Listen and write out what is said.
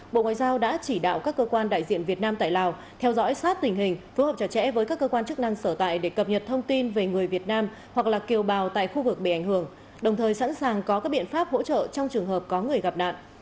bộ ngoại giao đã chỉ đạo các cơ quan đại diện việt nam tại lào theo dõi sát tình hình phối hợp chặt chẽ với các cơ quan chức năng sở tại để cập nhật thông tin về người việt nam hoặc là kiều bào tại khu vực bị ảnh hưởng đồng thời sẵn sàng có các biện pháp hỗ trợ trong trường hợp có người gặp nạn